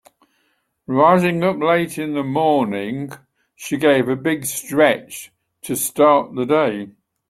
Rising up late in the morning she gave a big stretch to start the day.